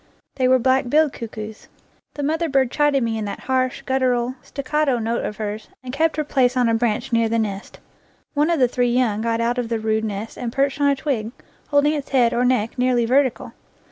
They were black billed cuckoos. The mother bird chided me in that harsh, guttural, staccato note of hers, and kept her place on a branch near the nest. One of the three young got out of the rude nest and perched on a twig, holding its head or neck nearly vertical.